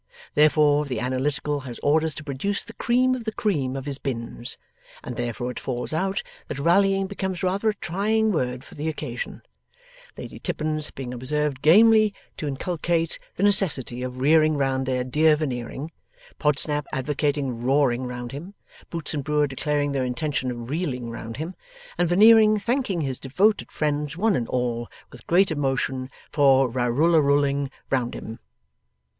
Therefore, the Analytical has orders to produce the cream of the cream of his binns, and therefore it falls out that rallying becomes rather a trying word for the occasion; Lady Tippins being observed gamely to inculcate the necessity of rearing round their dear Veneering; Podsnap advocating roaring round him; Boots and Brewer declaring their intention of reeling round him; and Veneering thanking his devoted friends one and all, with great emotion, for rarullarulling round him.